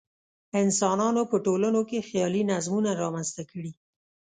انسانانو په ټولنو کې خیالي نظمونه رامنځته کړي.